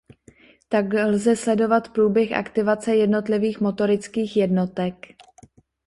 Tak lze sledovat průběh aktivace jednotlivých motorických jednotek.